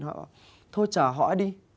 họ bảo thôi trả họ đi